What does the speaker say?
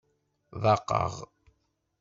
Ḍaqeɣ!